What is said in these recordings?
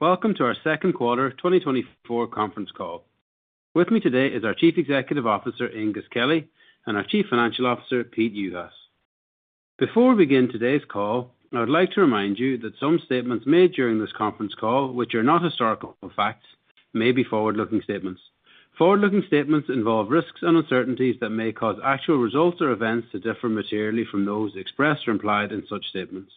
Welcome to our Second Quarter 2024 Conference Call. With me today is our Chief Executive Officer, Aengus Kelly, and our Chief Financial Officer, Pete Juhas. Before we begin today's call, I would like to remind you that some statements made during this conference call, which are not historical facts, may be forward-looking statements. Forward-looking statements involve risks and uncertainties that may cause actual results or events to differ materially from those expressed or implied in such statements.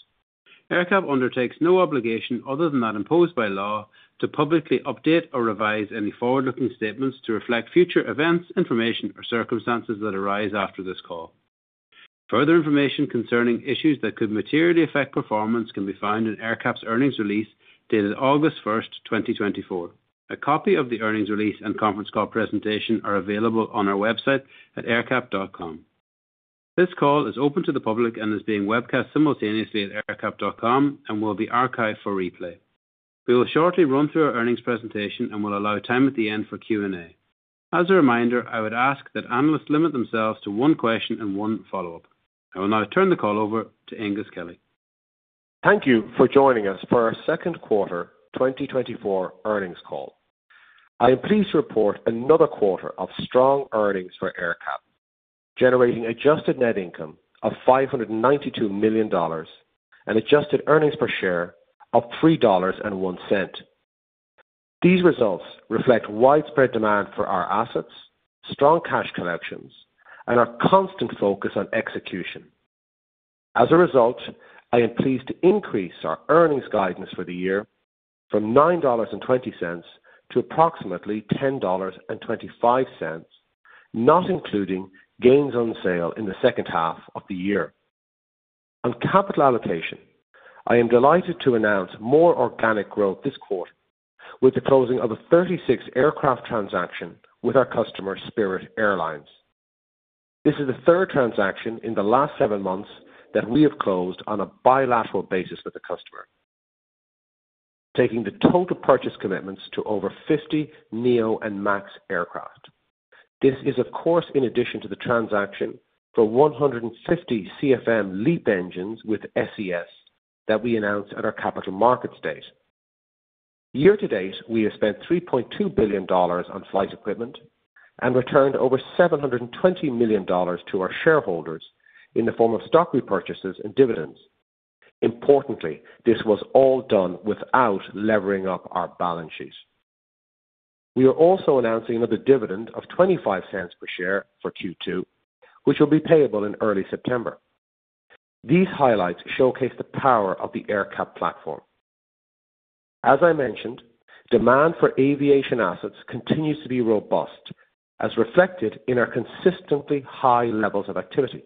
AerCap undertakes no obligation, other than that imposed by law, to publicly update or revise any forward-looking statements to reflect future events, information, or circumstances that arise after this call. Further information concerning issues that could materially affect performance can be found in AerCap's earnings release dated August 1st, 2024. A copy of the earnings release and conference call presentation are available on our website at aercap.com. This call is open to the public and is being webcast simultaneously at aercap.com and will be archived for replay. We will shortly run through our earnings presentation and will allow time at the end for Q&A. As a reminder, I would ask that analysts limit themselves to one question and one follow-up. I will now turn the call over to Aengus Kelly. Thank you for joining us for our Second Quarter 2024 Earnings Call. I am pleased to report another quarter of strong earnings for AerCap, generating adjusted net income of $592 million and adjusted earnings per share of $3.01. These results reflect widespread demand for our assets, strong cash collections, and our constant focus on execution. As a result, I am pleased to increase our earnings guidance for the year from $9.20 to approximately $10.25, not including gains on sale in the second half of the year. On capital allocation, I am delighted to announce more organic growth this quarter with the closing of a 36 aircraft transaction with our customer, Spirit Airlines. This is the third transaction in the last seven months that we have closed on a bilateral basis with the customer, taking the total purchase commitments to over 50 neo and MAX aircraft. This is, of course, in addition to the transaction for 150 CFM LEAP engines with SES that we announced at our Capital Markets Day. Year to date, we have spent $3.2 billion on flight equipment and returned over $720 million to our shareholders in the form of stock repurchases and dividends. Importantly, this was all done without levering up our balance sheet. We are also announcing another dividend of $0.25 per share for Q2, which will be payable in early September. These highlights showcase the power of the AerCap platform. As I mentioned, demand for aviation assets continues to be robust, as reflected in our consistently high levels of activity.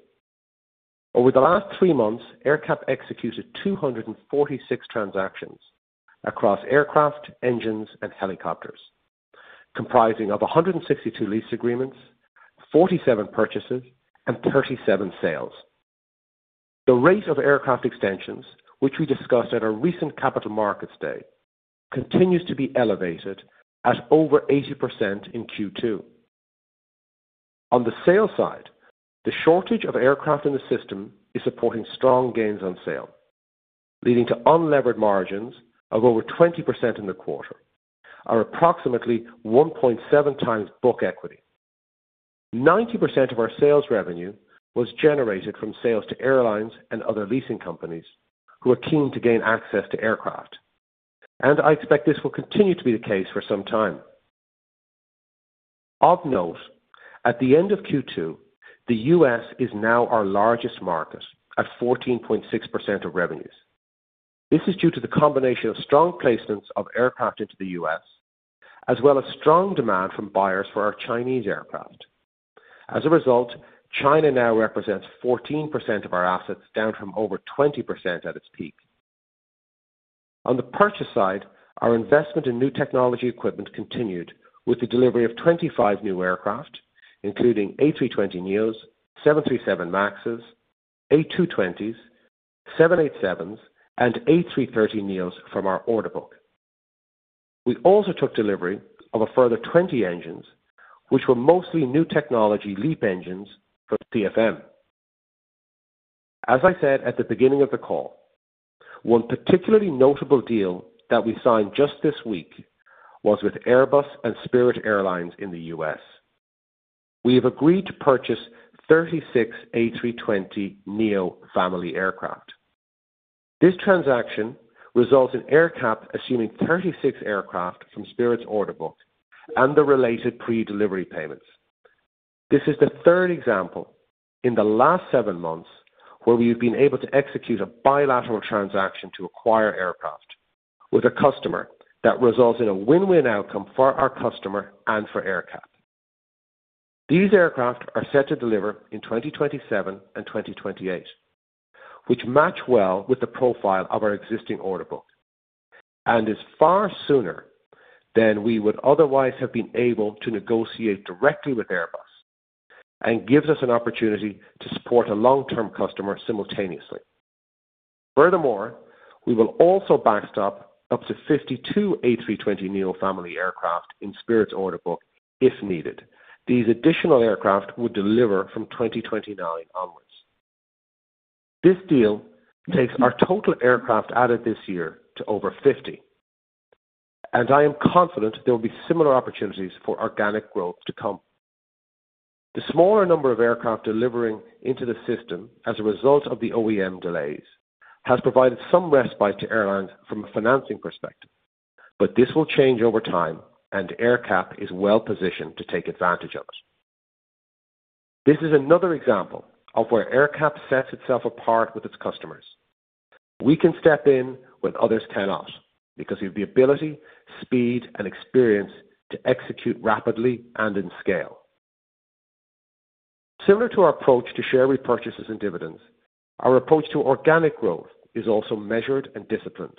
Over the last three months, AerCap executed 246 transactions across aircraft, engines, and helicopters, comprising of 162 lease agreements, 47 purchases, and 37 sales. The rate of aircraft extensions, which we discussed at our recent Capital Markets Day, continues to be elevated at over 80% in Q2. On the sales side, the shortage of aircraft in the system is supporting strong gains on sale, leading to unlevered margins of over 20% in the quarter, or approximately 1.7 times book equity. 90% of our sales revenue was generated from sales to airlines and other leasing companies who are keen to gain access to aircraft, and I expect this will continue to be the case for some time. Of note, at the end of Q2, the U.S. is now our largest market at 14.6% of revenues. This is due to the combination of strong placements of aircraft into the U.S., as well as strong demand from buyers for our Chinese aircraft. As a result, China now represents 14% of our assets, down from over 20% at its peak. On the purchase side, our investment in new technology equipment continued with the delivery of 25 new aircraft, including A320neos, 737 MAXes, A220s, 787s, and A330neos from our order book. We also took delivery of a further 20 engines, which were mostly new technology LEAP engines for CFM. As I said at the beginning of the call, one particularly notable deal that we signed just this week was with Airbus and Spirit Airlines in the U.S. We have agreed to purchase 36 A320neo family aircraft. This transaction results in AerCap assuming 36 aircraft from Spirit's order book and the related pre-delivery payments. This is the third example in the last seven months where we have been able to execute a bilateral transaction to acquire aircraft with a customer that results in a win-win outcome for our customer and for AerCap. These aircraft are set to deliver in 2027 and 2028, which match well with the profile of our existing order book, and is far sooner than we would otherwise have been able to negotiate directly with Airbus, and gives us an opportunity to support a long-term customer simultaneously. Furthermore, we will also backstop up to 52 A320neo family aircraft in Spirit's order book if needed. These additional aircraft would deliver from 2029 onwards. This deal takes our total aircraft added this year to over 50, and I am confident there will be similar opportunities for organic growth to come. The smaller number of aircraft delivering into the system as a result of the OEM delays has provided some respite to airlines from a financing perspective, but this will change over time, and AerCap is well positioned to take advantage of it. This is another example of where AerCap sets itself apart with its customers. We can step in when others cannot because we have the ability, speed, and experience to execute rapidly and in scale. Similar to our approach to share repurchases and dividends, our approach to organic growth is also measured and disciplined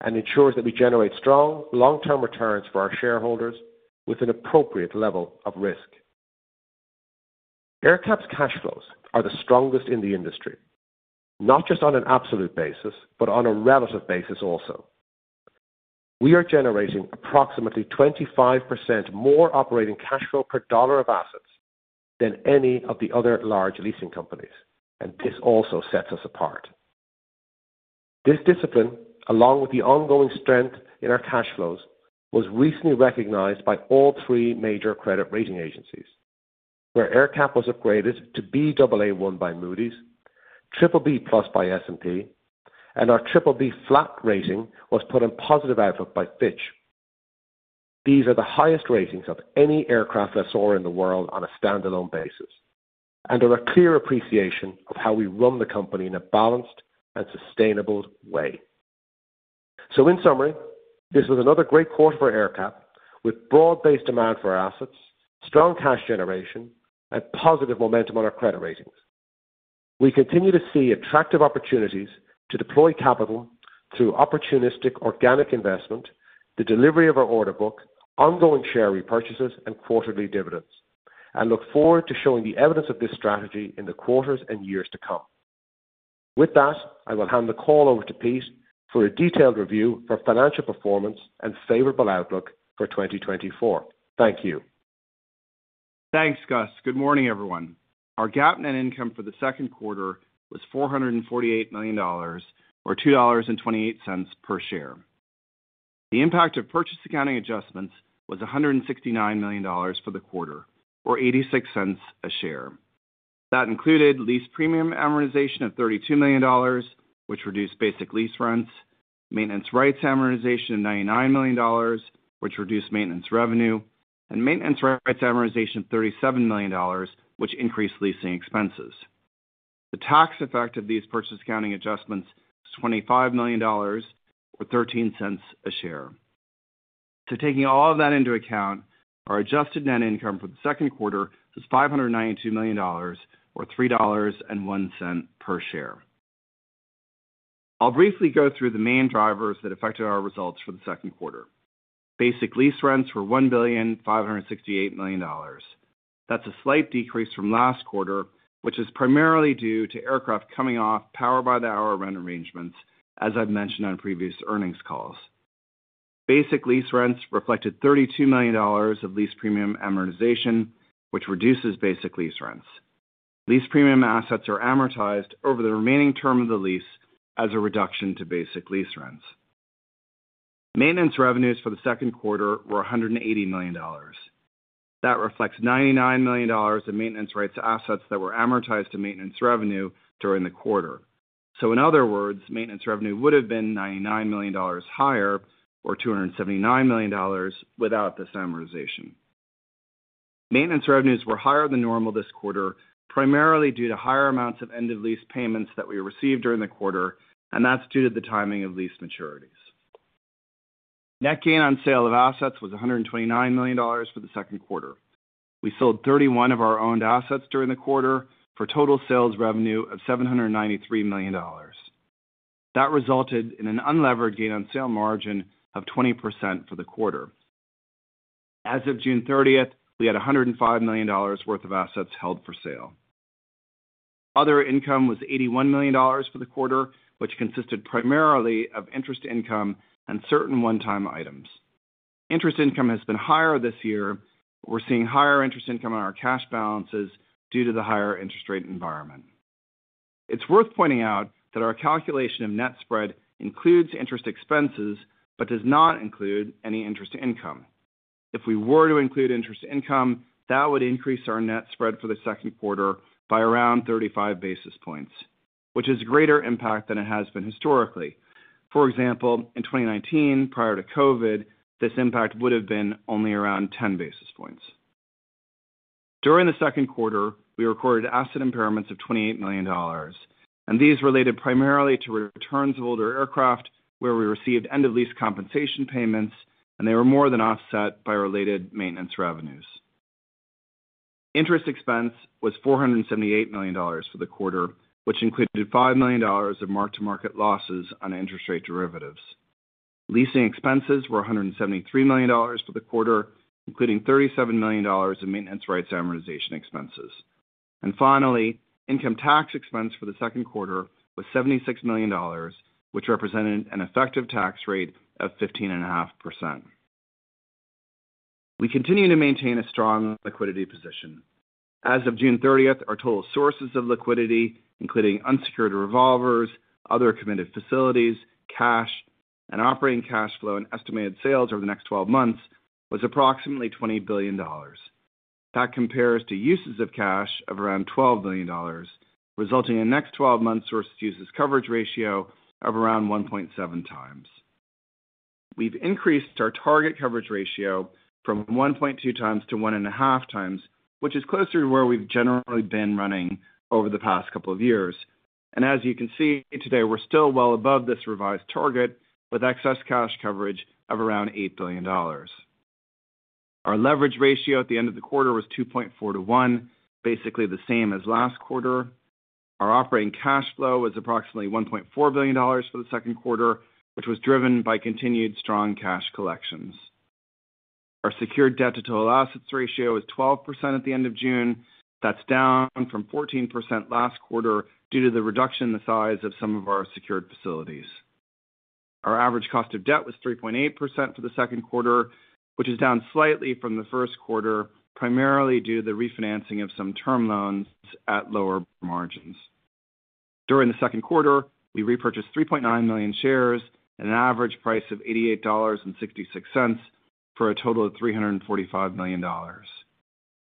and ensures that we generate strong, long-term returns for our shareholders with an appropriate level of risk. AerCap's cash flows are the strongest in the industry, not just on an absolute basis but on a relative basis also. We are generating approximately 25% more operating cash flow per dollar of assets than any of the other large leasing companies, and this also sets us apart. This discipline, along with the ongoing strength in our cash flows, was recently recognized by all three major credit rating agencies, where AerCap was upgraded to Baa1 by Moody's, BBB+ by S&P, and our BBB rating was put on positive outlook by Fitch. These are the highest ratings of any aircraft lessor in the world on a standalone basis, and are a clear appreciation of how we run the company in a balanced and sustainable way. So, in summary, this was another great quarter for AerCap, with broad-based demand for our assets, strong cash generation, and positive momentum on our credit ratings. We continue to see attractive opportunities to deploy capital through opportunistic organic investment, the delivery of our order book, ongoing share repurchases, and quarterly dividends, and look forward to showing the evidence of this strategy in the quarters and years to come. With that, I will hand the call over to Pete for a detailed review for financial performance and favorable outlook for 2024. Thank you. Thanks, Gus. Good morning, everyone. Our GAAP net income for the second quarter was $448 million, or $2.28 per share. The impact of purchase accounting adjustments was $169 million for the quarter, or $0.86 a share. That included lease premium amortization of $32 million, which reduced basic lease rents, maintenance rights amortization of $99 million, which reduced maintenance revenue, and maintenance rights amortization of $37 million, which increased leasing expenses. The tax effect of these purchase accounting adjustments was $25 million, or $0.13 a share. Taking all of that into account, our adjusted net income for the second quarter was $592 million, or $3.01 per share. I'll briefly go through the main drivers that affected our results for the second quarter. Basic lease rents were $1,568 million. That's a slight decrease from last quarter, which is primarily due to aircraft coming off Power-by-the-Hour rent arrangements, as I've mentioned on previous earnings calls. Basic lease rents reflected $32 million of lease premium amortization, which reduces basic lease rents. Lease premium assets are amortized over the remaining term of the lease as a reduction to basic lease rents. Maintenance revenues for the second quarter were $180 million. That reflects $99 million of maintenance rights assets that were amortized to maintenance revenue during the quarter. So, in other words, maintenance revenue would have been $99 million higher, or $279 million, without this amortization. Maintenance revenues were higher than normal this quarter, primarily due to higher amounts of end-of-lease payments that we received during the quarter, and that's due to the timing of lease maturities. Net gain on sale of assets was $129 million for the second quarter. We sold 31 of our owned assets during the quarter for total sales revenue of $793 million. That resulted in an Unlevered Gain on Sale Margin of 20% for the quarter. As of June 30th, we had $105 million worth of assets held for sale. Other income was $81 million for the quarter, which consisted primarily of interest income and certain one-time items. Interest income has been higher this year. We're seeing higher interest income on our cash balances due to the higher interest rate environment. It's worth pointing out that our calculation of net spread includes interest expenses but does not include any interest income. If we were to include interest income, that would increase our net spread for the second quarter by around 35 basis points, which is a greater impact than it has been historically. For example, in 2019, prior to COVID, this impact would have been only around 10 basis points. During the second quarter, we recorded asset impairments of $28 million, and these related primarily to returns of older aircraft, where we received end-of-lease compensation payments, and they were more than offset by related maintenance revenues. Interest expense was $478 million for the quarter, which included $5 million of mark-to-market losses on interest rate derivatives. Leasing expenses were $173 million for the quarter, including $37 million of maintenance rights amortization expenses. And finally, income tax expense for the second quarter was $76 million, which represented an effective tax rate of 15.5%. We continue to maintain a strong liquidity position. As of June 30th, our total sources of liquidity, including unsecured revolvers, other committed facilities, cash, and operating cash flow and estimated sales over the next 12 months, was approximately $20 billion. That compares to uses of cash of around $12 million, resulting in next 12 months' sources-to-uses coverage ratio of around 1.7 times. We've increased our target coverage ratio from 1.2-1.5 times, which is closer to where we've generally been running over the past couple of years. As you can see today, we're still well above this revised target with excess cash coverage of around $8 billion. Our leverage ratio at the end of the quarter was 2.4-1, basically the same as last quarter. Our operating cash flow was approximately $1.4 billion for the second quarter, which was driven by continued strong cash collections. Our secured debt-to-total assets ratio was 12% at the end of June. That's down from 14% last quarter due to the reduction in the size of some of our secured facilities. Our average cost of debt was 3.8% for the second quarter, which is down slightly from the first quarter, primarily due to the refinancing of some term loans at lower margins. During the second quarter, we repurchased 3.9 million shares at an average price of $88.66 for a total of $345 million.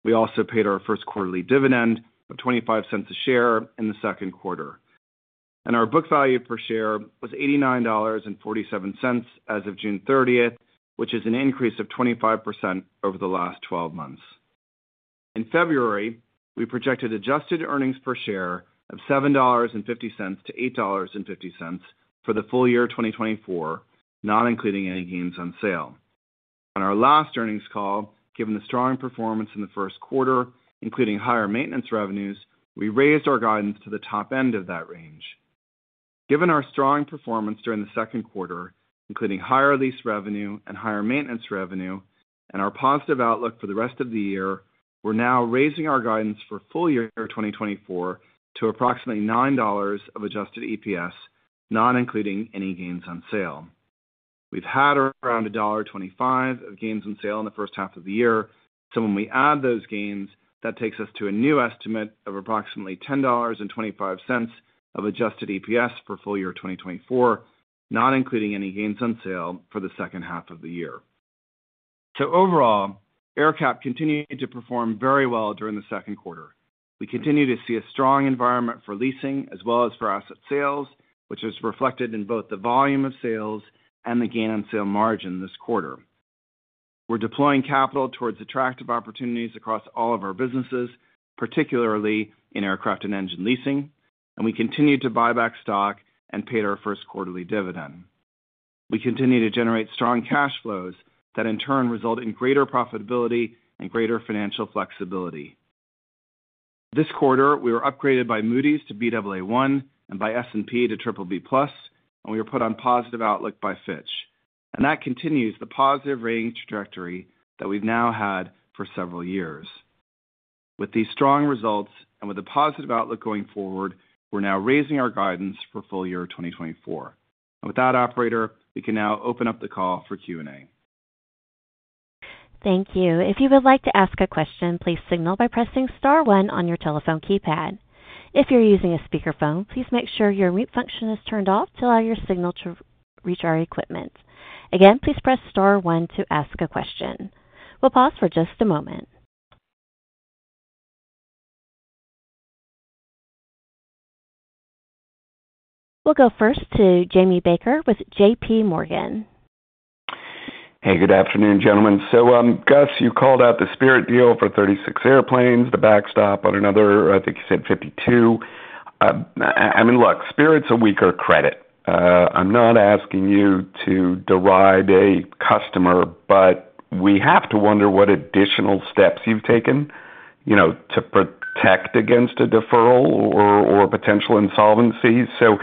We also paid our first quarterly dividend of $0.25 a share in the second quarter. Our book value per share was $89.47 as of June 30th, which is an increase of 25% over the last 12 months. In February, we projected adjusted earnings per share of $7.50-$8.50 for the full year 2024, not including any gains on sale. On our last earnings call, given the strong performance in the first quarter, including higher maintenance revenues, we raised our guidance to the top end of that range. Given our strong performance during the second quarter, including higher lease revenue and higher maintenance revenue, and our positive outlook for the rest of the year, we're now raising our guidance for full year 2024 to approximately $9 of adjusted EPS, not including any gains on sale. We've had around $1.25 of gains on sale in the first half of the year, so when we add those gains, that takes us to a new estimate of approximately $10.25 of adjusted EPS for full year 2024, not including any gains on sale for the second half of the year. So overall, AerCap continued to perform very well during the second quarter. We continue to see a strong environment for leasing as well as for asset sales, which is reflected in both the volume of sales and the gain on sale margin this quarter. We're deploying capital towards attractive opportunities across all of our businesses, particularly in aircraft and engine leasing, and we continue to buy back stock and paid our first quarterly dividend. We continue to generate strong cash flows that, in turn, result in greater profitability and greater financial flexibility. This quarter, we were upgraded by Moody's to Baa1 and by S&P to BBB+, and we were put on positive outlook by Fitch. That continues the positive rating trajectory that we've now had for several years. With these strong results and with a positive outlook going forward, we're now raising our guidance for full year 2024. With that, operator, we can now open up the call for Q&A. Thank you. If you would like to ask a question, please signal by pressing star one on your telephone keypad. If you're using a speakerphone, please make sure your mute function is turned off to allow your signal to reach our equipment. Again, please press star one to ask a question. We'll pause for just a moment. We'll go first to Jamie Baker with JP Morgan. Hey, good afternoon, gentlemen. So, Gus, you called out the Spirit deal for 36 airplanes, the backstop on another, I think you said 52. I mean, look, Spirit's a weaker credit. I'm not asking you to deride a customer, but we have to wonder what additional steps you've taken to protect against a deferral or potential insolvencies. So,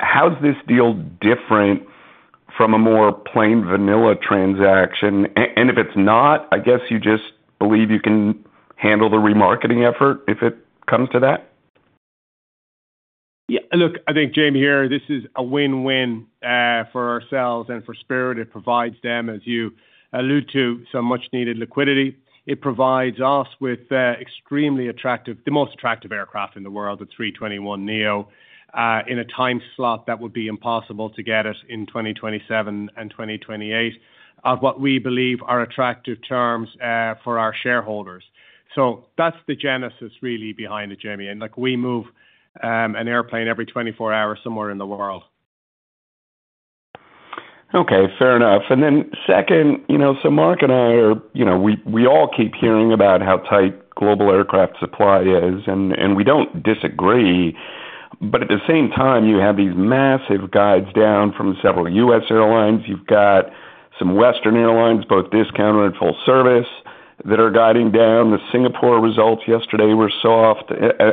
how's this deal different from a more plain vanilla transaction? And if it's not, I guess you just believe you can handle the remarketing effort if it comes to that? Yeah. Look, I think, Jamie, here, this is a win-win for ourselves and for Spirit. It provides them, as you allude to, some much-needed liquidity. It provides us with extremely attractive, the most attractive aircraft in the world, the A321neo, in a time slot that would be impossible to get us in 2027 and 2028 of what we believe are attractive terms for our shareholders. So that's the genesis really behind it, Jamie. And we move an airplane every 24 hours somewhere in the world. Okay. Fair enough. And then second, so Mark and I, we all keep hearing about how tight global aircraft supply is, and we don't disagree. But at the same time, you have these massive guides down from several U.S. airlines. You've got some Western airlines, both discounted and full service, that are guiding down. The Singapore results yesterday were soft.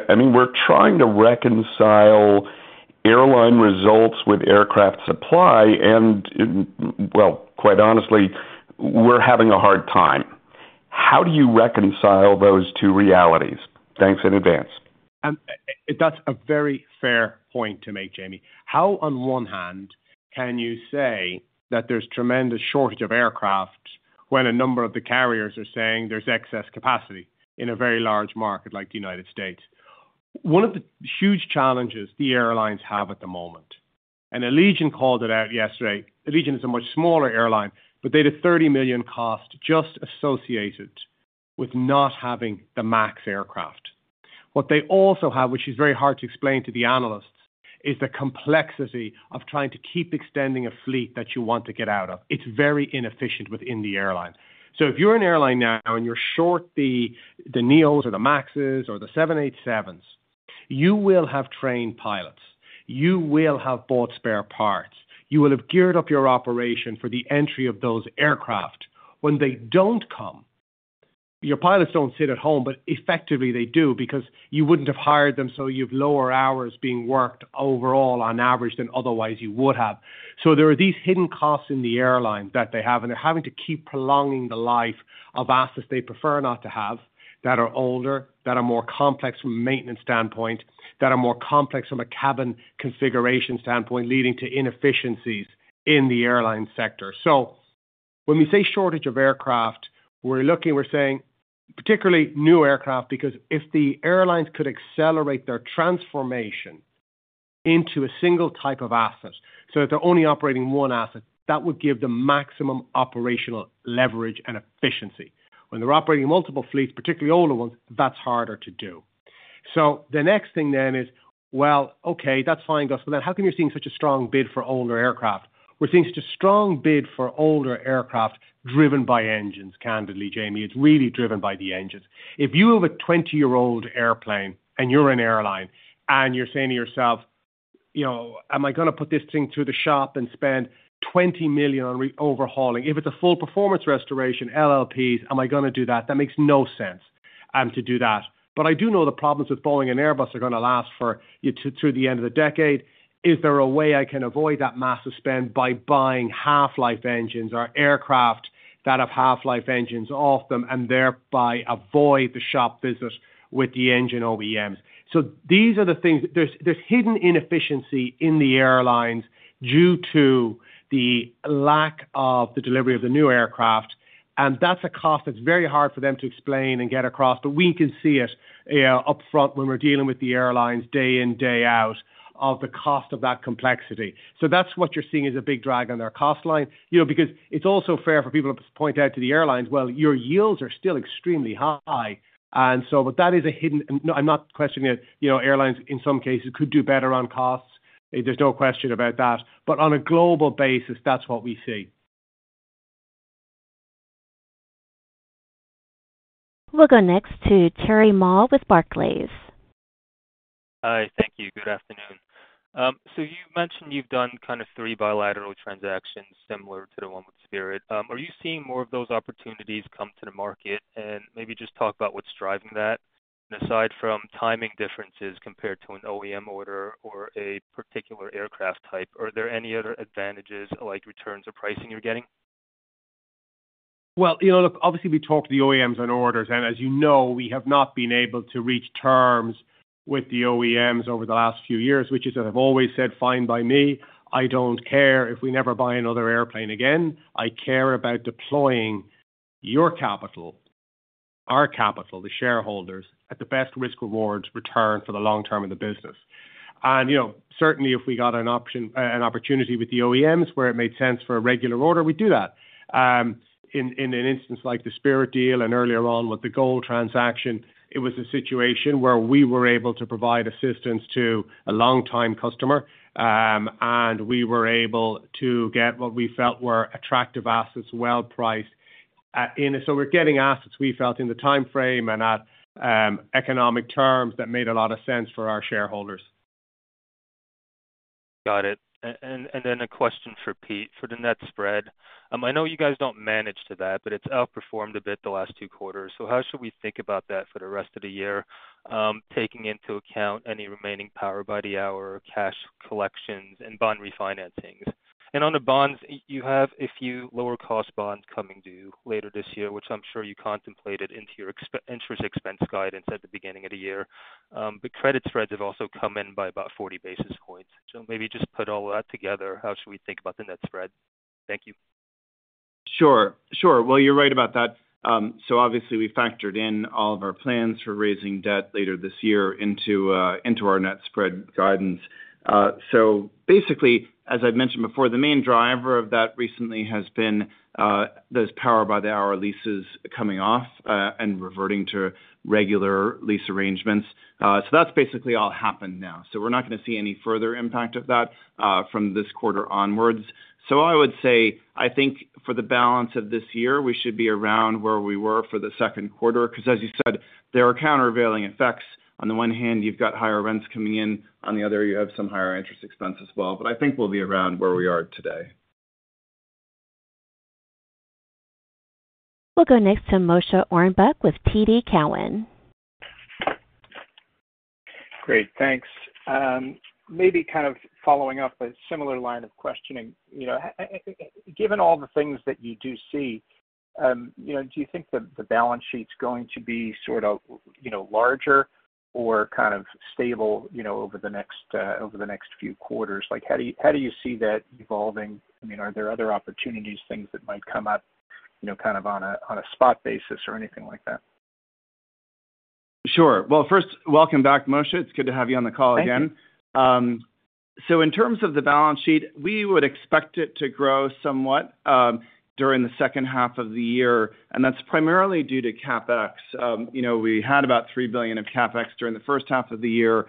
I mean, we're trying to reconcile airline results with aircraft supply. And, well, quite honestly, we're having a hard time. How do you reconcile those two realities? Thanks in advance. That's a very fair point to make, Jamie. How, on one hand, can you say that there's tremendous shortage of aircraft when a number of the carriers are saying there's excess capacity in a very large market like the United States? One of the huge challenges the airlines have at the moment, and Allegiant called it out yesterday, Allegiant is a much smaller airline, but they had a $30 million cost just associated with not having the MAX aircraft. What they also have, which is very hard to explain to the analysts, is the complexity of trying to keep extending a fleet that you want to get out of. It's very inefficient within the airline. So if you're an airline now and you're short the neos or the MAXes or the 787s, you will have trained pilots. You will have bought spare parts. You will have geared up your operation for the entry of those aircraft. When they don't come, your pilots don't sit at home, but effectively they do because you wouldn't have hired them, so you have lower hours being worked overall on average than otherwise you would have. So there are these hidden costs in the airline that they have, and they're having to keep prolonging the life of assets they prefer not to have that are older, that are more complex from a maintenance standpoint, that are more complex from a cabin configuration standpoint, leading to inefficiencies in the airline sector. So when we say shortage of aircraft, we're looking, we're saying, particularly new aircraft, because if the airlines could accelerate their transformation into a single type of asset so that they're only operating one asset, that would give them maximum operational leverage and efficiency. When they're operating multiple fleets, particularly older ones, that's harder to do. So the next thing then is, well, okay, that's fine, Gus, but then how come you're seeing such a strong bid for older aircraft? We're seeing such a strong bid for older aircraft driven by engines, candidly, Jamie. It's really driven by the engines. If you have a 20-year-old airplane and you're an airline and you're saying to yourself, "Am I going to put this thing through the shop and spend $20 million on overhauling? If it's a full performance restoration, LLPs, am I going to do that?" That makes no sense to do that. But I do know the problems with Boeing and Airbus are going to last through the end of the decade. Is there a way I can avoid that massive spend by buying half-life engines or aircraft that have half-life engines off them and thereby avoid the shop visit with the engine OEMs? So these are the things. There's hidden inefficiency in the airlines due to the lack of the delivery of the new aircraft, and that's a cost that's very hard for them to explain and get across, but we can see it upfront when we're dealing with the airlines day in, day out, of the cost of that complexity. So that's what you're seeing is a big drag on their cost line. Because it's also fair for people to point out to the airlines, "Well, your yields are still extremely high." And so that is a hidden, and I'm not questioning it. Airlines, in some cases, could do better on costs. There's no question about that. But on a global basis, that's what we see. We'll go next to Terry Ma with Barclays. Hi. Thank you. Good afternoon. So you mentioned you've done kind of three bilateral transactions similar to the one with Spirit. Are you seeing more of those opportunities come to the market? And maybe just talk about what's driving that. And aside from timing differences compared to an OEM order or a particular aircraft type, are there any other advantages like returns or pricing you're getting? Well, look, obviously, we talk to the OEMs on orders. And as you know, we have not been able to reach terms with the OEMs over the last few years, which is, as I've always said, fine by me. I don't care if we never buy another airplane again. I care about deploying your capital, our capital, the shareholders, at the best risk-rewards return for the long term of the business. And certainly, if we got an opportunity with the OEMs where it made sense for a regular order, we'd do that. In an instance like the Spirit deal and earlier on with the GOL transaction, it was a situation where we were able to provide assistance to a long-time customer, and we were able to get what we felt were attractive assets, well-priced. So we're getting assets we felt in the timeframe and at economic terms that made a lot of sense for our shareholders. Got it. And then a question for Pete, for the net spread. I know you guys don't manage to that, but it's outperformed a bit the last two quarters. So how should we think about that for the rest of the year, taking into account any remaining power-by-the-hour cash collections and bond refinancings? And on the bonds, you have a few lower-cost bonds coming due later this year, which I'm sure you contemplated into your interest expense guidance at the beginning of the year. But credit spreads have also come in by about 40 basis points. So maybe just put all of that together. How should we think about the net spread? Thank you. Sure. Sure. Well, you're right about that. So obviously, we factored in all of our plans for raising debt later this year into our net spread guidance. So basically, as I've mentioned before, the main driver of that recently has been those power-by-the-hour leases coming off and reverting to regular lease arrangements. So that's basically all happened now. So we're not going to see any further impact of that from this quarter onwards. So I would say, I think for the balance of this year, we should be around where we were for the second quarter. Because as you said, there are countervailing effects. On the one hand, you've got higher rents coming in. On the other, you have some higher interest expense as well. But I think we'll be around where we are today. We'll go next to Moshe Orenbuch with TD Cowen. Great. Thanks. Maybe kind of following up a similar line of questioning. Given all the things that you do see, do you think the balance sheet's going to be sort of larger or kind of stable over the next few quarters? How do you see that evolving? I mean, are there other opportunities, things that might come up kind of on a spot basis or anything like that? Sure. Well, first, welcome back, Moshe. It's good to have you on the call again. So in terms of the balance sheet, we would expect it to grow somewhat during the second half of the year. And that's primarily due to CapEx. We had about $3 billion of CapEx during the first half of the year.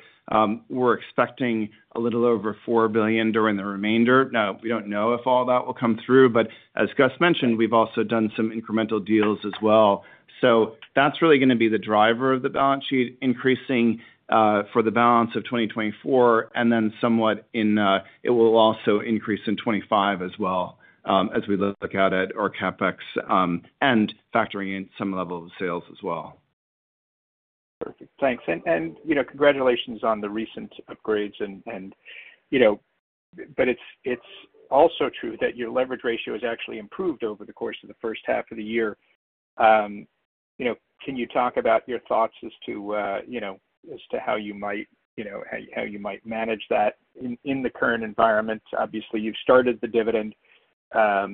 We're expecting a little over $4 billion during the remainder. Now, we don't know if all that will come through. But as Gus mentioned, we've also done some incremental deals as well. So that's really going to be the driver of the balance sheet increasing for the balance of 2024. And then somewhat in it will also increase in 2025 as well as we look at it or CapEx and factoring in some level of sales as well. Perfect. Thanks. Congratulations on the recent upgrades. It's also true that your leverage ratio has actually improved over the course of the first half of the year. Can you talk about your thoughts as to how you might manage that in the current environment? Obviously, you've started the dividend. How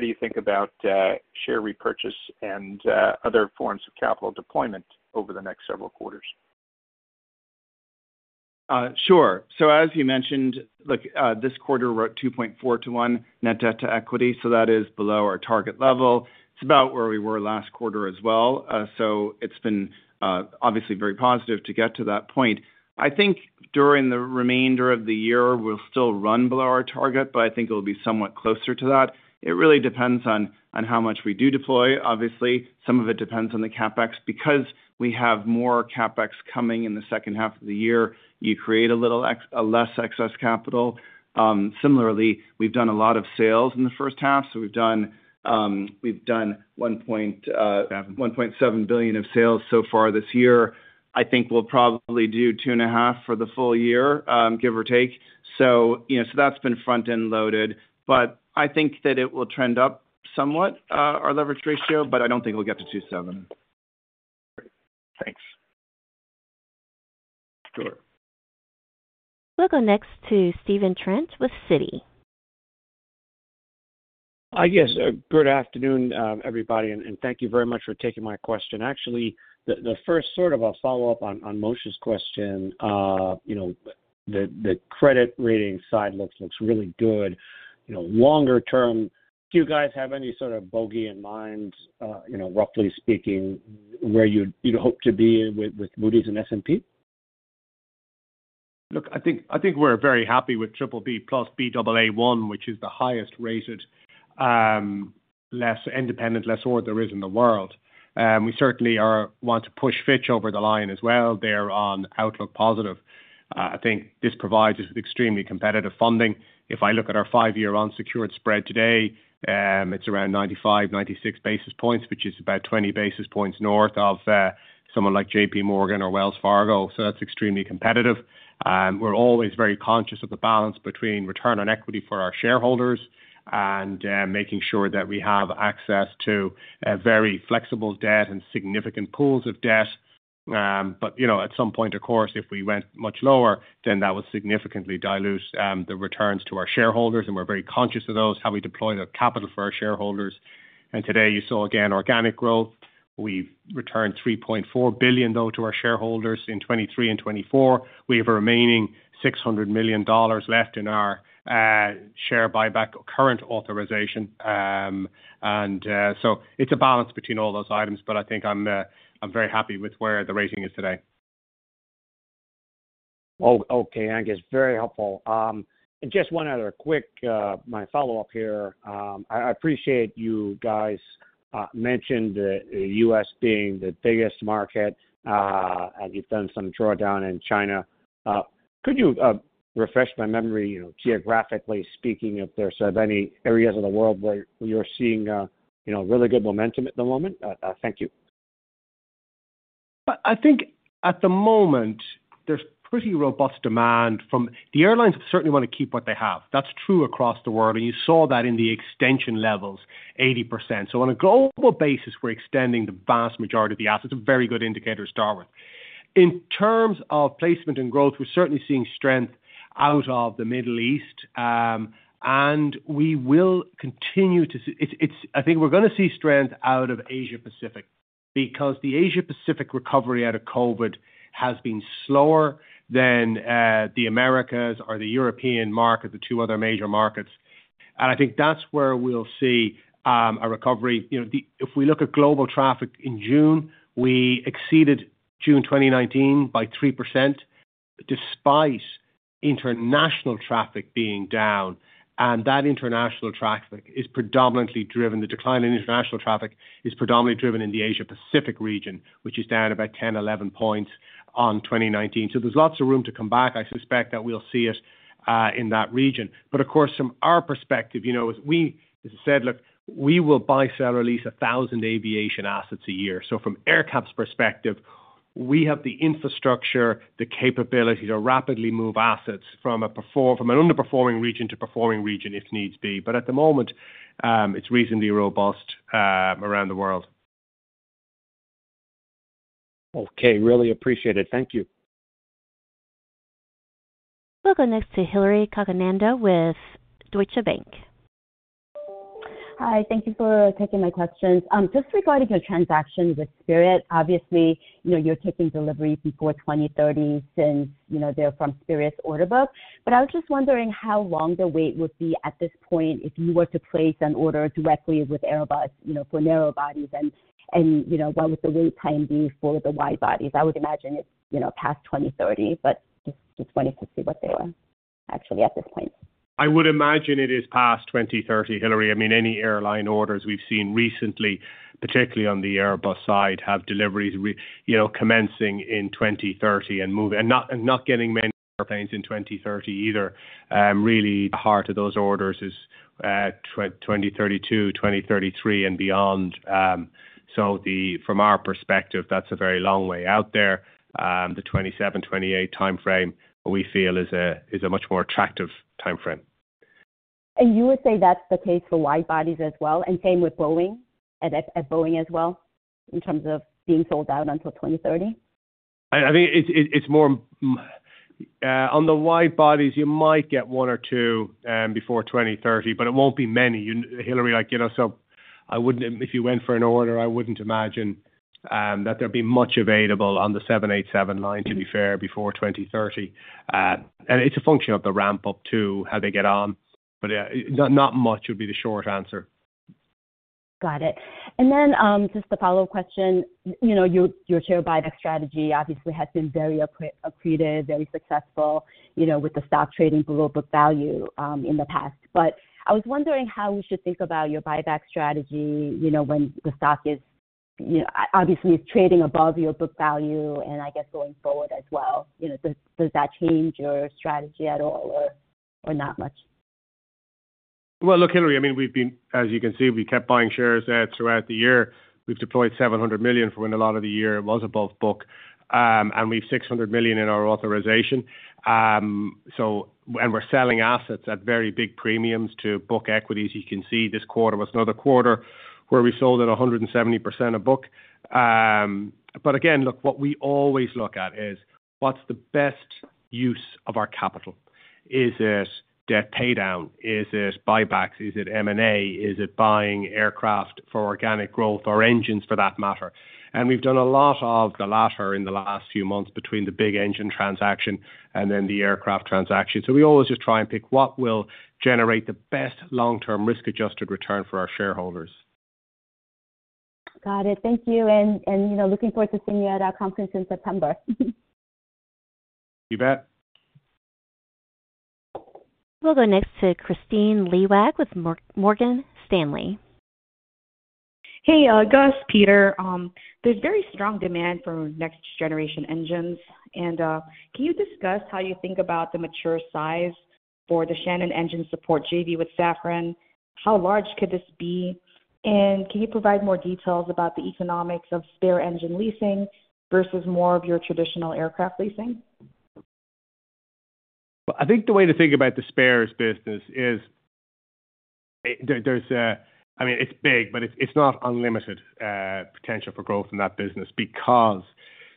do you think about share repurchase and other forms of capital deployment over the next several quarters? Sure. So as you mentioned, look, this quarter we're at 2.4-to-1 net debt to equity. So that is below our target level. It's about where we were last quarter as well. So it's been obviously very positive to get to that point. I think during the remainder of the year, we'll still run below our target, but I think it'll be somewhat closer to that. It really depends on how much we do deploy. Obviously, some of it depends on the CapEx. Because we have more CapEx coming in the second half of the year, you create a little less excess capital. Similarly, we've done a lot of sales in the first half. So we've done $1.7 billion of sales so far this year. I think we'll probably do $2.5 billion for the full year, give or take. So that's been front-end loaded. But I think that it will trend up somewhat, our leverage ratio, but I don't think it'll get to 2.7. Great. Thanks. Sure. We'll go next to Stephen Trent with Citi. I guess, good afternoon, everybody. And thank you very much for taking my question. Actually, the first sort of a follow-up on Moshe's question, the credit rating side looks really good. Longer term. Do you guys have any sort of bogey in mind, roughly speaking, where you'd hope to be with Moody's and S&P? Look, I think we're very happy with BBB+ and Baa1, which is the highest-rated, independent, lessor there is in the world. We certainly want to push Fitch over the line as well. They're on outlook positive. I think this provides us with extremely competitive funding. If I look at our 5-year unsecured spread today, it's around 95, 96 basis points, which is about 20 basis points north of someone like J.P. Morgan or Wells Fargo. So that's extremely competitive. We're always very conscious of the balance between return on equity for our shareholders and making sure that we have access to very flexible debt and significant pools of debt. But at some point, of course, if we went much lower, then that would significantly dilute the returns to our shareholders. And we're very conscious of those, how we deploy the capital for our shareholders. Today, you saw again organic growth. We've returned $3.4 billion, though, to our shareholders in 2023 and 2024. We have a remaining $600 million left in our share buyback or current authorization. So it's a balance between all those items, but I think I'm very happy with where the rating is today. Okay. Thank you. It's very helpful. And just one other quick, my follow-up here. I appreciate you guys mentioned the U.S. being the biggest market, and you've done some drawdown in China. Could you refresh my memory, geographically speaking, if there's any areas of the world where you're seeing really good momentum at the moment? Thank you. I think at the moment, there's pretty robust demand from the airlines, certainly want to keep what they have. That's true across the world. You saw that in the extension levels, 80%. So on a global basis, we're extending the vast majority of the assets. It's a very good indicator to start with. In terms of placement and growth, we're certainly seeing strength out of the Middle East. And we will continue to, I think we're going to see strength out of Asia-Pacific because the Asia-Pacific recovery out of COVID has been slower than the Americas or the European market, the two other major markets. I think that's where we'll see a recovery. If we look at global traffic in June, we exceeded June 2019 by 3% despite international traffic being down. That international traffic is predominantly driven, the decline in international traffic is predominantly driven in the Asia-Pacific region, which is down about 10-11 points on 2019. There's lots of room to come back. I suspect that we'll see it in that region. But of course, from our perspective, as I said, look, we will buy, sell, lease 1,000 aviation assets a year. From AerCap's perspective, we have the infrastructure, the capability to rapidly move assets from an underperforming region to a performing region if needs be. But at the moment, it's reasonably robust around the world. Okay. Really appreciate it. Thank you. We'll go next to Hillary Cacanando with Deutsche Bank. Hi. Thank you for taking my questions. Just regarding your transaction with Spirit, obviously, you're taking deliveries before 2030 since they're from Spirit's order book. But I was just wondering how long the wait would be at this point if you were to place an order directly with Airbus for narrow bodies and what would the wait time be for the wide bodies. I would imagine it's past 2030, but just wanted to see what they were actually at this point. I would imagine it is past 2030, Hillary. I mean, any airline orders we've seen recently, particularly on the Airbus side, have deliveries commencing in 2030 and not getting many airplanes in 2030 either. Really, the heart of those orders is 2032, 2033, and beyond. So from our perspective, that's a very long way out there. The 2027, 2028 timeframe we feel is a much more attractive timeframe. You would say that's the case for wide bodies as well? And same with Boeing as well in terms of being sold out until 2030? I think it's more on the wide bodies, you might get one or two before 2030, but it won't be many. Hillary, so if you went for an order, I wouldn't imagine that there'd be much available on the 787 line, to be fair, before 2030. And it's a function of the ramp-up too, how they get on. But not much would be the short answer. Got it. Just the follow-up question, your share buyback strategy obviously has been very accretive, very successful with the stock trading below book value in the past. But I was wondering how we should think about your buyback strategy when the stock is obviously trading above your book value and I guess going forward as well. Does that change your strategy at all or not much? Well, look, Hillary, I mean, as you can see, we kept buying shares throughout the year. We've deployed $700 million for when a lot of the year was above book. We've $600 million in our authorization. We're selling assets at very big premiums to book equities. You can see this quarter was another quarter where we sold at 170% of book. But again, look, what we always look at is what's the best use of our capital? Is it debt paydown? Is it buybacks? Is it M&A? Is it buying aircraft for organic growth or engines for that matter? We've done a lot of the latter in the last few months between the big engine transaction and then the aircraft transaction. So we always just try and pick what will generate the best long-term risk-adjusted return for our shareholders. Got it. Thank you. Looking forward to seeing you at our conference in September. You bet. We'll go next to Kristine Liwag with Morgan Stanley. Hey, Gus, Peter. There's very strong demand for next-generation engines. Can you discuss how you think about the mature size for the Shannon Engine Support JV with Safran? How large could this be? Can you provide more details about the economics of spare engine leasing versus more of your traditional aircraft leasing? Well, I think the way to think about the spares business is, I mean, it's big, but it's not unlimited potential for growth in that business. Because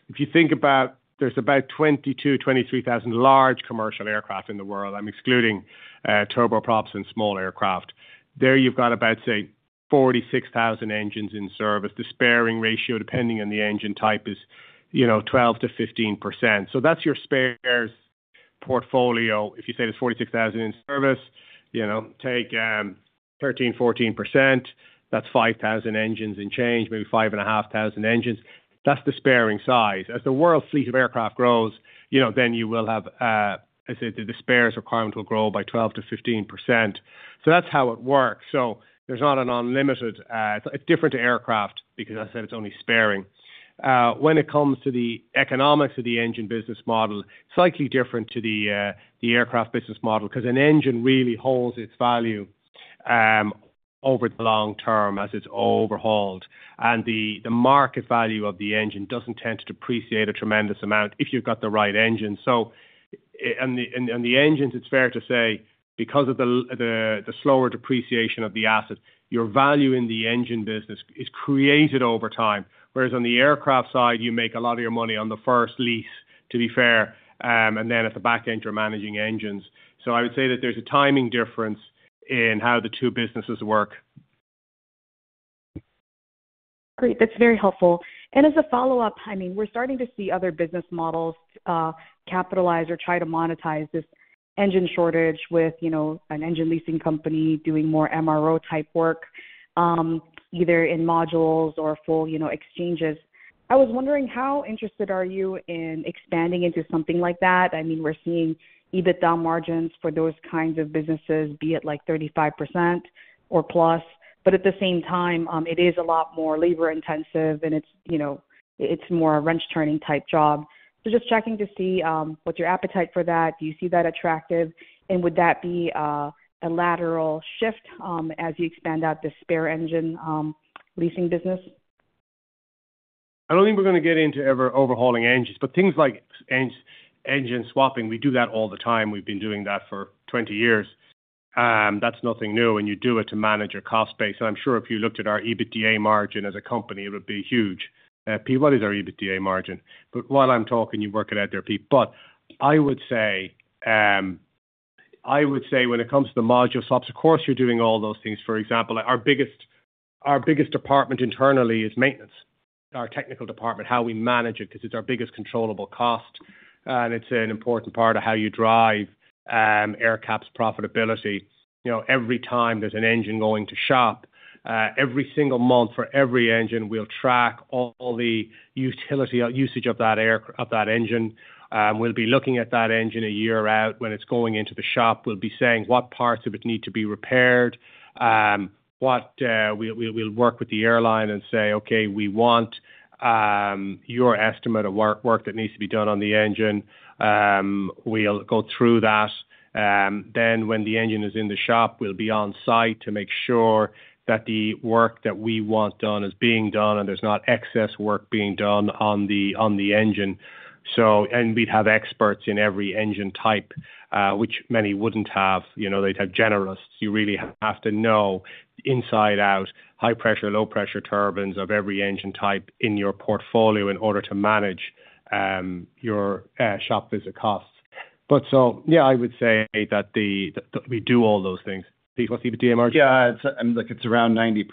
if you think about there's about 22,000-23,000 large commercial aircraft in the world, I'm excluding turboprops and small aircraft. There you've got about, say, 46,000 engines in service. The spares ratio, depending on the engine type, is 12%-15%. So that's your spares portfolio. If you say there's 46,000 in service, take 13%-14%, that's 5,000 engines and change, maybe 5,500 engines. That's the spares size. As the world fleet of aircraft grows, then you will have the spares requirement will grow by 12%-15%. So that's how it works. So there's not an unlimited it's different to aircraft because, as I said, it's only spares. When it comes to the economics of the engine business model, it's slightly different to the aircraft business model because an engine really holds its value over the long term as it's overhauled. The market value of the engine doesn't tend to depreciate a tremendous amount if you've got the right engine. The engines, it's fair to say, because of the slower depreciation of the asset, your value in the engine business is created over time. Whereas on the aircraft side, you make a lot of your money on the first lease, to be fair, and then at the back end, you're managing engines. So I would say that there's a timing difference in how the two businesses work. Great. That's very helpful. And as a follow-up, I mean, we're starting to see other business models capitalize or try to monetize this engine shortage with an engine leasing company doing more MRO-type work, either in modules or full exchanges. I was wondering how interested are you in expanding into something like that? I mean, we're seeing EBITDA margins for those kinds of businesses, be it like 35% or plus. But at the same time, it is a lot more labor-intensive, and it's more a wrench-turning type job. So just checking to see what's your appetite for that. Do you see that attractive? And would that be a lateral shift as you expand out the spare engine leasing business? I don't think we're going to get into ever overhauling engines. But things like engine swapping, we do that all the time. We've been doing that for 20 years. That's nothing new. And you do it to manage your cost base. And I'm sure if you looked at our EBITDA margin as a company, it would be huge. Pete, what is our EBITDA margin? But while I'm talking, you work it out there, Pete. But I would say when it comes to the module swaps, of course, you're doing all those things. For example, our biggest department internally is maintenance, our technical department, how we manage it because it's our biggest controllable cost. And it's an important part of how you drive AerCap's profitability. Every time there's an engine going to shop, every single month for every engine, we'll track all the usage of that engine. We'll be looking at that engine a year out. When it's going into the shop, we'll be saying, "What parts of it need to be repaired?" We'll work with the airline and say, "Okay, we want your estimate of work that needs to be done on the engine." We'll go through that. Then when the engine is in the shop, we'll be on site to make sure that the work that we want done is being done and there's not excess work being done on the engine. And we'd have experts in every engine type, which many wouldn't have. They'd have generalists. You really have to know inside out, high-pressure, low-pressure turbines of every engine type in your portfolio in order to manage your shop visit costs. But so yeah, I would say that we do all those things. Pete, what's the EBITDA margin? Yeah. It's around 90%.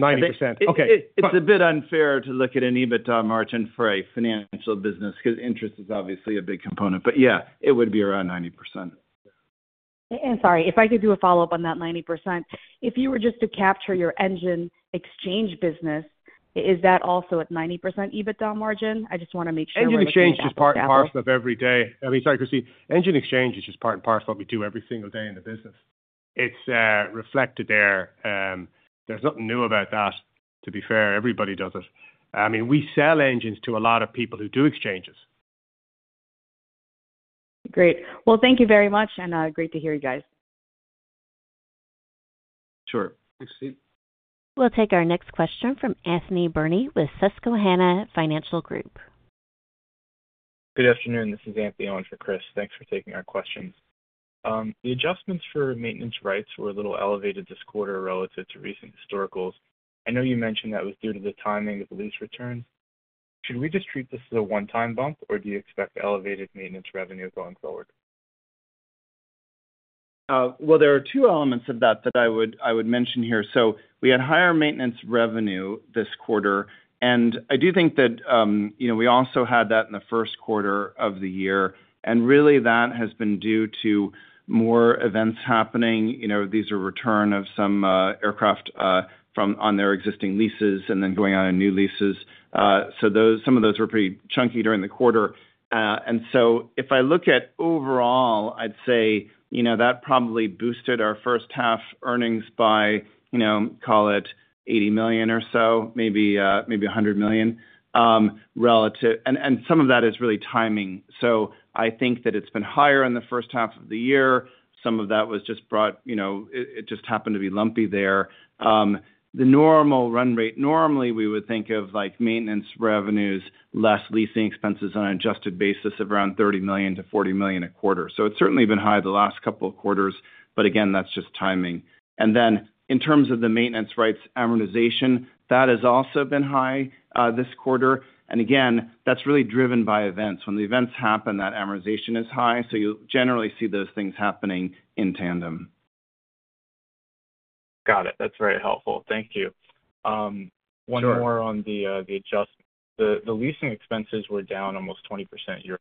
90%. Okay. It's a bit unfair to look at an EBITDA margin for a financial business because interest is obviously a big component. But yeah, it would be around 90%. And sorry, if I could do a follow-up on that 90%. If you were just to capture your engine exchange business, is that also at 90% EBITDA margin? I just want to make sure. Engine exchange is part and parcel of every day. I mean, sorry, Kristine. Engine exchange is just part and parcel of what we do every single day in the business. It's reflected there. There's nothing new about that, to be fair. Everybody does it. I mean, we sell engines to a lot of people who do exchanges. Great. Well, thank you very much, and great to hear you guys. Sure. Thanks, Pete. We'll take our next question from Anthony Berni with Susquehanna Financial Group. Good afternoon. This is Anthony for Chris. Thanks for taking our questions. The adjustments for maintenance rights were a little elevated this quarter relative to recent historicals. I know you mentioned that was due to the timing of the lease returns. Should we just treat this as a one-time bump, or do you expect elevated maintenance revenue going forward? Well, there are two elements of that that I would mention here. So we had higher maintenance revenue this quarter. And I do think that we also had that in the first quarter of the year. And really, that has been due to more events happening. These are returns of some aircraft on their existing leases and then going on new leases. So some of those were pretty chunky during the quarter. And so if I look at overall, I'd say that probably boosted our first half earnings by, call it, $80 million or so, maybe $100 million. And some of that is really timing. So I think that it's been higher in the first half of the year. Some of that was just brought. It just happened to be lumpy there. The normal run rate, normally we would think of maintenance revenues, less leasing expenses on an adjusted basis of around $30 million-$40 million a quarter. So it's certainly been high the last couple of quarters. But again, that's just timing. And then in terms of the maintenance rights amortization, that has also been high this quarter. And again, that's really driven by events. When the events happen, that amortization is high. So you'll generally see those things happening in tandem. Got it. That's very helpful. Thank you. One more on the adjustment. The leasing expenses were down almost 20% year-over-year.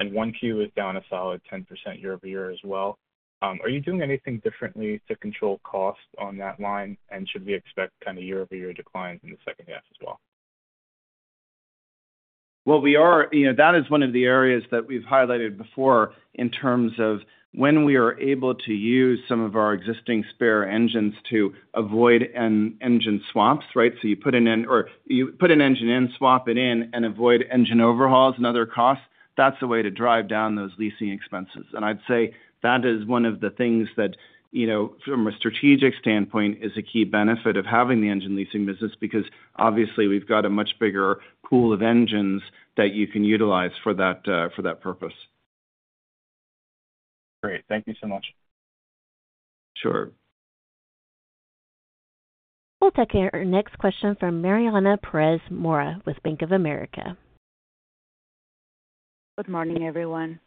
And 1Q is down a solid 10% year-over-year as well. Are you doing anything differently to control costs on that line? And should we expect kind of year-over-year declines in the second half as well? Well, that is one of the areas that we've highlighted before in terms of when we are able to use some of our existing spare engines to avoid engine swaps, right? So you put an engine in, swap it in, and avoid engine overhauls and other costs. That's a way to drive down those leasing expenses. I'd say that is one of the things that, from a strategic standpoint, is a key benefit of having the engine leasing business because, obviously, we've got a much bigger pool of engines that you can utilize for that purpose. Great. Thank you so much. Sure. We'll take our next question from Mariana Perez Mora with Bank of America. Good morning, everyone.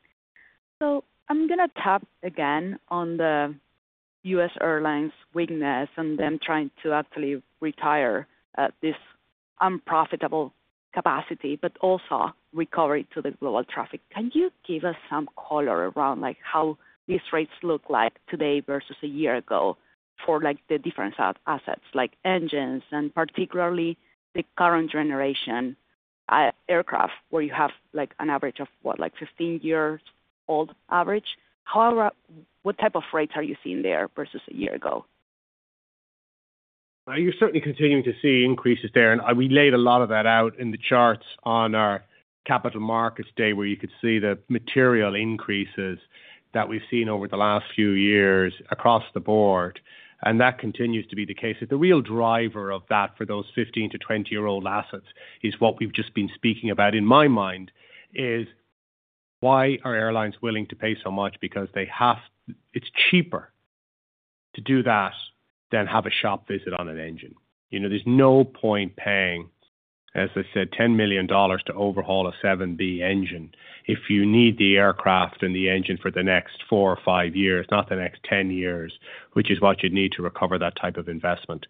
So I'm going to tap again on the U.S. airlines weakness and them trying to actually retire this unprofitable capacity, but also recovery to the global traffic. Can you give us some color around how these rates look like today versus a year ago for the different assets, like engines and particularly the current generation aircraft where you have an average of, what, like 15 years old average? However, what type of rates are you seeing there versus a year ago? You're certainly continuing to see increases there. We laid a lot of that out in the charts on our Capital Markets Day where you could see the material increases that we've seen over the last few years across the board. That continues to be the case. The real driver of that for those 15-20-year-old assets is what we've just been speaking about in my mind is why are airlines willing to pay so much? Because it's cheaper to do that than have a shop visit on an engine. There's no point paying, as I said, $10 million to overhaul a 7B engine if you need the aircraft and the engine for the next four or five years, not the next 10 years, which is what you'd need to recover that type of investment.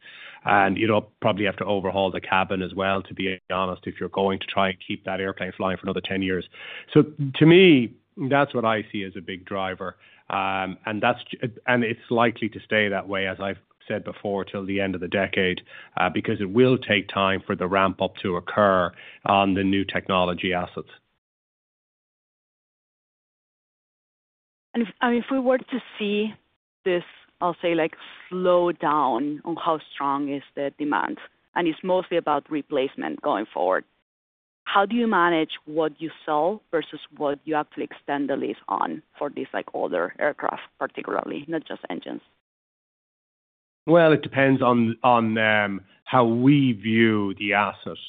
You'll probably have to overhaul the cabin as well, to be honest, if you're going to try and keep that airplane flying for another 10 years. To me, that's what I see as a big driver. It's likely to stay that way, as I've said before, till the end of the decade because it will take time for the ramp-up to occur on the new technology assets. If we were to see this, I'll say, slow down on how strong is the demand, and it's mostly about replacement going forward, how do you manage what you sell versus what you actually extend the lease on for these older aircraft, particularly, not just engines? Well, it depends on how we view the assets.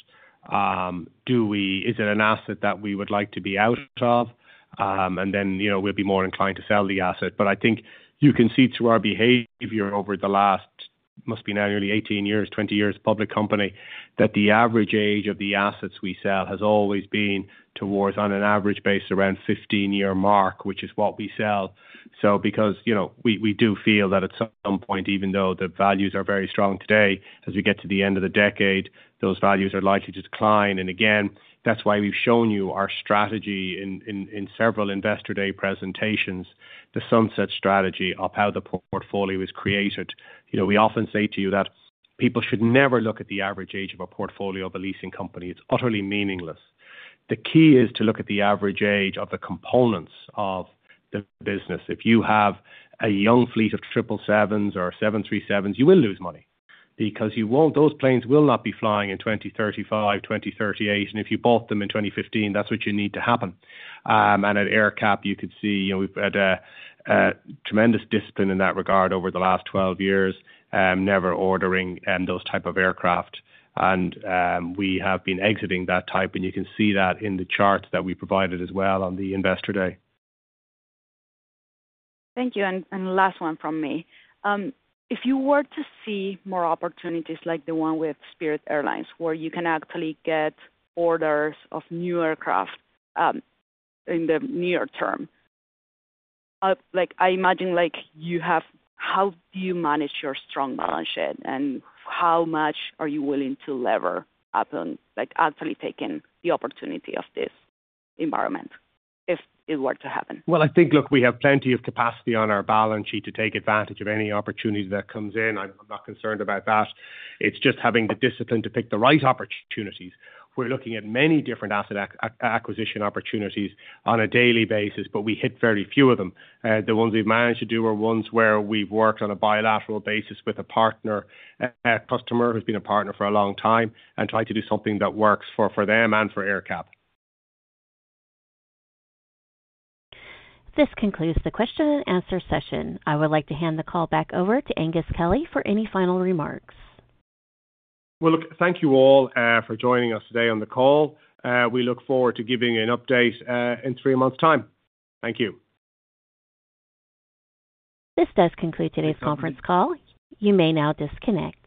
Is it an asset that we would like to be out of? And then we'll be more inclined to sell the asset. But I think you can see through our behavior over the last, must be now nearly 18 years, 20 years, public company, that the average age of the assets we sell has always been towards, on an average basis, around 15-year mark, which is what we sell. So because we do feel that at some point, even though the values are very strong today, as we get to the end of the decade, those values are likely to decline. And again, that's why we've shown you our strategy in several Investor Day presentations, the sunset strategy of how the portfolio is created. We often say to you that people should never look at the average age of a portfolio of a leasing company. It's utterly meaningless. The key is to look at the average age of the components of the business. If you have a young fleet of 777s or 737s, you will lose money because those planes will not be flying in 2035, 2038. And if you bought them in 2015, that's what you need to happen. And at AerCap, you could see we've had tremendous discipline in that regard over the last 12 years, never ordering those type of aircraft. And we have been exiting that type. And you can see that in the charts that we provided as well on the Investor Day. Thank you. Last one from me. If you were to see more opportunities like the one with Spirit Airlines, where you can actually get orders of new aircraft in the near term, I imagine how do you manage your strong balance sheet and how much are you willing to lever up on actually taking the opportunity of this environment if it were to happen? Well, I think, look, we have plenty of capacity on our balance sheet to take advantage of any opportunity that comes in. I'm not concerned about that. It's just having the discipline to pick the right opportunities. We're looking at many different asset acquisition opportunities on a daily basis, but we hit very few of them. The ones we've managed to do are ones where we've worked on a bilateral basis with a partner customer who's been a partner for a long time and tried to do something that works for them and for AerCap. This concludes the question-and-answer session. I would like to hand the call back over to Aengus Kelly for any final remarks. Well, look, thank you all for joining us today on the call. We look forward to giving an update in three months' time. Thank you. This does conclude today's conference call. You may now disconnect.